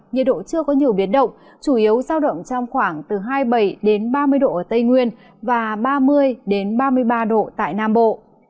nhiệt độ chưa có nhiều biến động chủ yếu giao động trong khoảng từ hai mươi bảy ba mươi độ ở tây nguyên và ba mươi ba mươi ba độ tại nam bộ